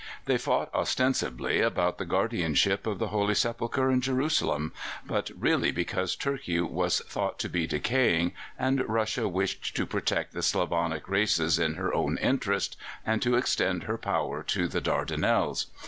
They fought ostensibly about the guardianship of the Holy Sepulchre in Jerusalem, but really because Turkey was thought to be decaying, and Russia wished to protect the Slavonic races in her own interest, and to extend her power to the Dardanelles.